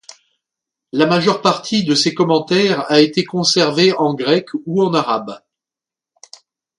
La majeure partie de ces commentaires a été conservée en grec ou en arabe.